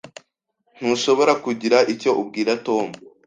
Ntushobora kugira icyo ubwira Tom.